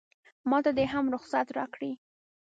ماته دې هم رخصت راکړي.